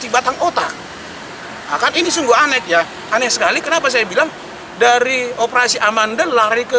batang otak akan ini sungguh aneh ya aneh sekali kenapa saya bilang dari operasi amandel lari ke